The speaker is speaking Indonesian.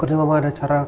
apa nih mama ada acara